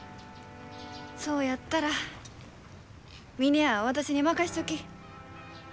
そうやったら峰屋は私に任しちょき。